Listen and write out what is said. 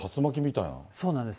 そうなんです。